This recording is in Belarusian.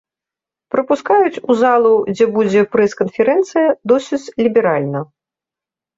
Прапускаюць у залу, дзе будзе прэс-канферэнцыя досыць ліберальна.